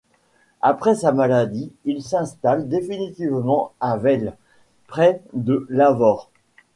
Après sa maladie, il s’installe définitivement à Veilhes, près de Lavaur.